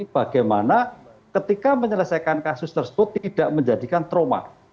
bagaimana ketika menyelesaikan kasus tersebut tidak menjadikan trauma